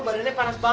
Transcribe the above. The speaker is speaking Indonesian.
pak bapak kenapa pak